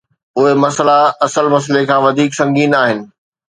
اهي مسئلا اصل مسئلي کان وڌيڪ سنگين آهن.